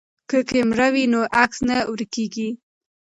که کیمره وي نو عکس نه ورکیږي.